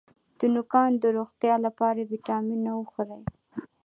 د نوکانو د روغتیا لپاره ویټامینونه وخورئ